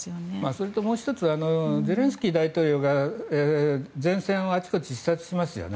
それともう１つはゼレンスキー大統領が前線をあちこち視察していますよね。